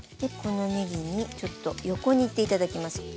このねぎにちょっと横に行って頂きます。